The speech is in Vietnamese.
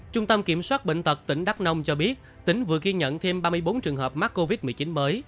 trung tâm kiểm soát bệnh tật tỉnh đắk nông cho biết tỉnh vừa ghi nhận thêm ba mươi bốn trường hợp mắc covid một mươi chín mới